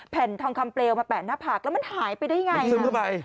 แผ่นทองคำเปลวมาแปะหน้าผากแล้วมันหายไปได้ไงซึมเข้าไป